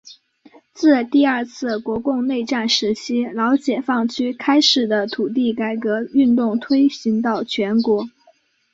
自第二次国共内战时期老解放区开始的土地改革运动推行到全国。